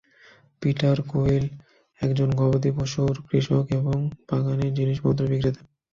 Peter Quill একজন গবাদি পশুর কৃষক এবং বাগানের জিনিসপত্র বিক্রেতা।